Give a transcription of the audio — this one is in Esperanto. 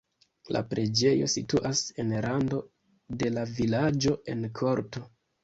La preĝejo situas en rando de la vilaĝo en korto.